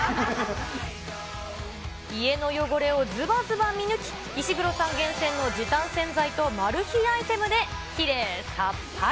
家の汚れをずばずば見抜き、石黒さん厳選の時短洗剤とマル秘アイテムで、きれいさっぱり。